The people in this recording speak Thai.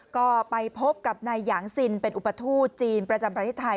ก็ไปพบกับนายหยางซินเป็นอุปทูตจีนประจำประเทศไทย